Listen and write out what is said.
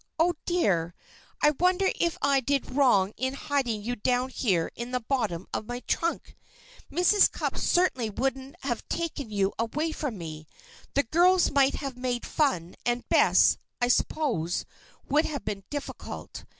Oh, dear! I wonder if I did wrong in hiding you down here in the bottom of my trunk? Mrs. Cupp certainly wouldn't have taken you away from me. The girls might have made fun, and Bess, I s'pose, would have been difficult.